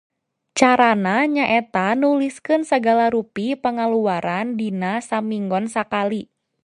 Cara na nyaeta nuliskeun sagala rupi pangaluaran dina saminggon sakali.